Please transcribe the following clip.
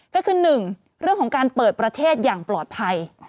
ก็คือ๑เรื่องของการเปิดประเทศอย่างปลอดภัย